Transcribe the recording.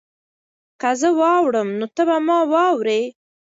که زه واوړم نو ته به ما واورې؟